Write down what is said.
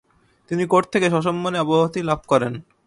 তিনি কোর্ট থেকে সসম্মানে অব্যাহতি লাভ করেন।